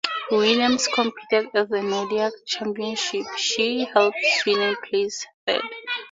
Williams competed at the Nordic Championships she helped Sweden place third.